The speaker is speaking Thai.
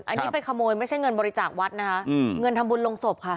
อันนี้ไปขโมยไม่ใช่เงินบริจาควัดนะคะเงินทำบุญลงศพค่ะ